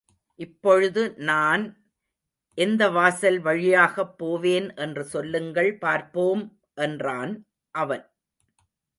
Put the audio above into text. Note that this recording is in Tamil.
இப்பொழுது நான் எந்த வாசல், வழியாகப் போவேன் என்று சொல்லுங்கள், பார்ப்போம்! என்றான் அவன்.